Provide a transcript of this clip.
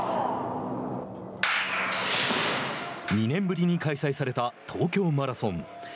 ２年ぶりに開催された東京マラソン。